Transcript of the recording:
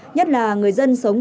nhất là người dân sống